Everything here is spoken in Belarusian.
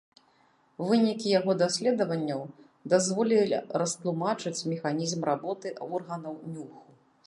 Вынікі яго даследаванняў дазволілі растлумачыць механізм работы органаў нюху.